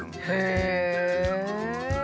へえ！